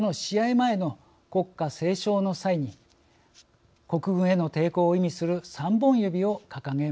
前の国歌斉唱の際に国軍への抵抗を意味する３本指を掲げました。